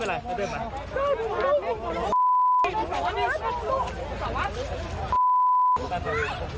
ไอ้ใจดีกว่ากูเองไม่เป็นไรไม่เป็นไป